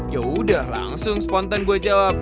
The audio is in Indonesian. yaudah langsung spontan gue jawab